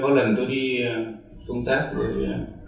có lần tôi đi công tác với